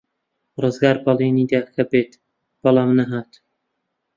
ڕزگار بەڵێنی دا کە بێت، بەڵام نەهات.